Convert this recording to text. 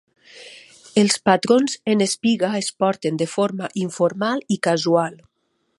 Els patrons en espiga es porten de forma informal i casual.